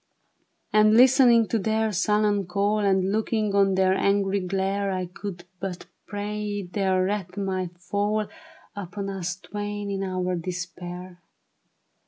And listening to their sullen call, And looking on their angry glare, I could but pray their wrath might fall Upon us twain in our despair.